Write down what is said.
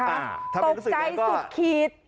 อ่าถ้าไม่รู้สึกเดี๋ยวก็ตกใจสุดขีด